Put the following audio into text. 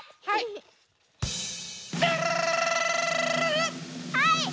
はい！